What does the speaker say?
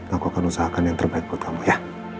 aku akan usahakan yang terbaik buat kamu ya